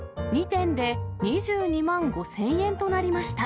２点で２２万５０００円となりました。